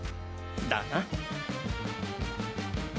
だな。